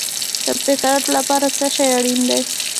د فکر لپاره څه شی اړین دی؟